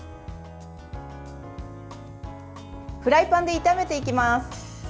フライパンで炒めていきます。